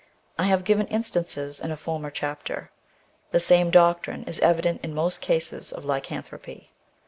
I have given instances in a former chapter. The same doctrine is evident in most cases of lycanthropy.